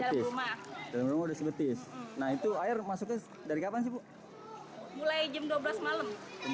mulai jam dua belas malam